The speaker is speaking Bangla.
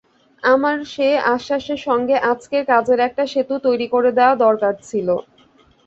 আমার সে আশ্বাসের সঙ্গে আজকের কাজের একটা সেতু তৈরি করে দেয়া দরকার ছিল।